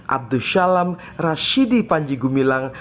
abdus shalam rashidi panji gumilang